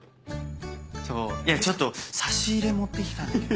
いやちょっと差し入れ持ってきたんだけど。